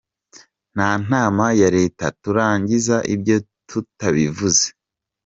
Nta nama ya leta turangiza ibyo tutabivuze.